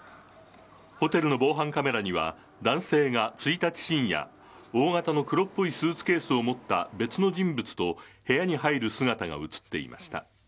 ホテルの防犯カメラには、男性が１日深夜、大型の黒っぽいスーツケースを持った別の人物と部屋に入る姿が写っていました。